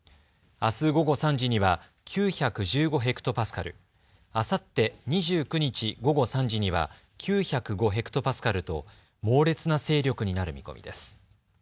あす午後３時には９１５ｈＰａ、あさって２９日午後３時には９０５ｈＰａと猛烈な勢力になる見込みです。